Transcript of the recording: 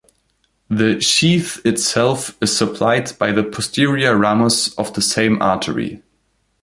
The sheath itself is supplied by the posterior ramus of the same artery.